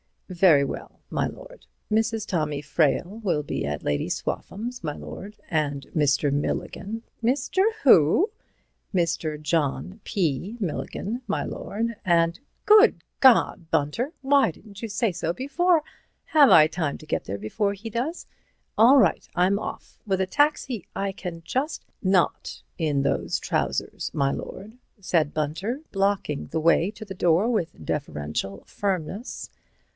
"Very well, my lord. Mrs. Tommy Frayle will be at Lady Swaffham's, my lord, and Mr. Milligan—" "Mr. Who?" "Mr. John P. Milligan, my lord, and—" "Good God, Bunter, why didn't you say so before? Have I time to get there before he does? All right. I'm off. With a taxi I can just—" "Not in those trousers, my lord," said Mr. Bunter, blocking the way to the door with deferential firmness.